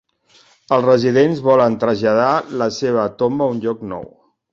Els residents volen traslladar la seva tomba a un lloc nou.